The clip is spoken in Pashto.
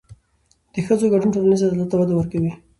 د ښځو ګډون ټولنیز عدالت ته وده ورکوي.